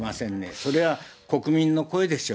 それは国民の声でしょう。